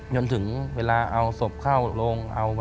จนถึงเวลาเอาศพเข้าโรง